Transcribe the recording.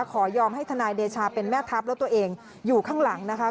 ขอยอมให้ทนายเดชาเป็นแม่ทัพแล้วตัวเองอยู่ข้างหลังนะคะ